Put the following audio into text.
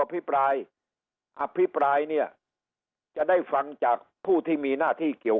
พิปรายอภิปรายเนี่ยจะได้ฟังจากผู้ที่มีหน้าที่เกี่ยว